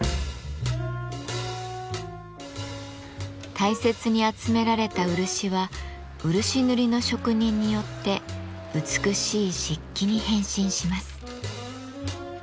大切に集められた漆は漆塗りの職人によって美しい漆器に変身します。